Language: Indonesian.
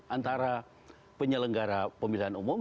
antara penyelenggara pemilihan umum